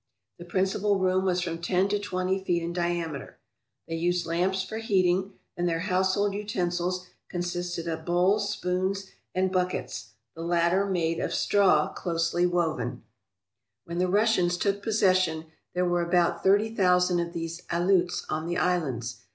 The principal room was from ten to twenty feet in dia meter. They used lamps for heating, and their household utensils consisted of bowls, spoons, and buckets, the latter made of straw closely woven. 242 THE ALEUTIAN ISLANDS When the Russians took possession there were about thirty thousand of these Aleuts on the islands.